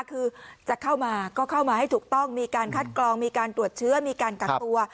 คือจะเข้ามาก็เข้ามาให้ถูกต้องมีการคัดกรองมีการตรวจเชื้อมีการกักตัว